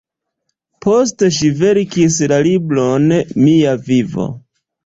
Poste ŝi verkis la libron ""Mia vivo"".